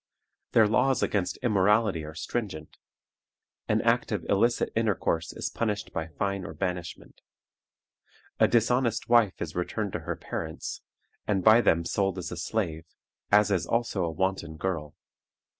Their laws against immorality are stringent. An act of illicit intercourse is punished by fine or banishment. A dishonest wife is returned to her parents, and by them sold as a slave, as is also a wanton girl.